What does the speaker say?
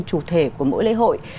chủ thể của mỗi lễ hội